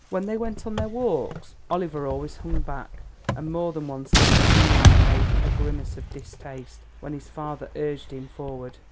When they went on their walks, Oliver always hung back, and more than once I have seen him make a grimace of distaste when his father urged him forward.